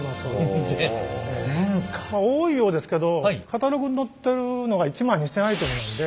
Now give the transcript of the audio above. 多いようですけどカタログに載ってるのが１万２，０００アイテムなので。